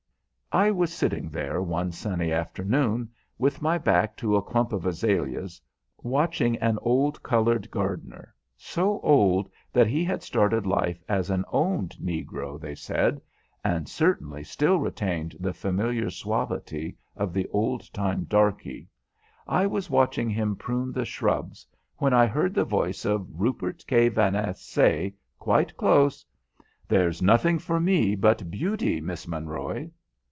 I was sitting there one sunny afternoon, with my back to a clump of azaleas, watching an old coloured gardener so old that he had started life as an "owned" negro, they said, and certainly still retained the familiar suavity of the old time darky I was watching him prune the shrubs when I heard the voice of Rupert K. Vaness say, quite close: "There's nothing for me but beauty, Miss Monroy."